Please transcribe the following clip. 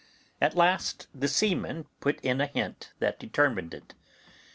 At last the seaman put in a hint that determined it.